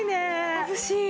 まぶしい。